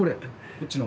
こっちの？